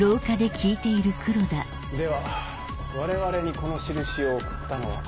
では我々にこの印を送ったのは？